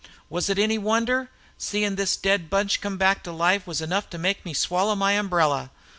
Was it any wonder? Seein' this dead bunch come back to life was enough to make me swallow my umbrella.